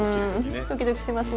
うんドキドキしますね。